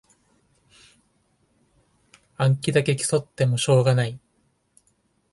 暗記だけ競ってもしょうがない